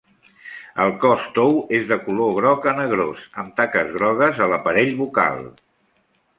El cos tou és de color groc a negrós, amb taques grogues a l'aparell bucal.